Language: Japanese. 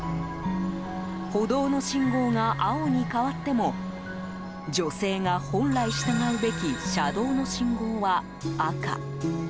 歩道の信号が青に変わっても女性が本来従うべき車道の信号は赤。